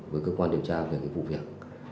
với cơ quan điều tra về cái vụ việc